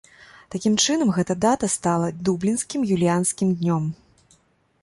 Такім чынам гэта дата стала дублінскім юліянскім днём.